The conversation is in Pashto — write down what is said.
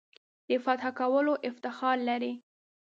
د فتح کولو افتخار لري.